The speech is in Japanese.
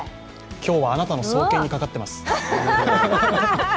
今日は、あなたの双肩にかかっています。